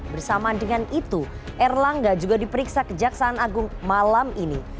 bersama dengan itu erlangga juga diperiksa kejaksaan agung malam ini